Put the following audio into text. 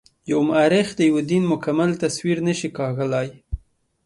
یو مورخ د یوه دین مکمل تصویر نه شي کاږلای.